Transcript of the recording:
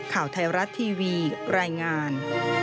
ข่าวไทยรัฐทีวีรายงาน